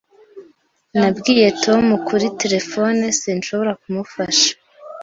Nabwiye Tom kuri terefone sinshobora kumufasha.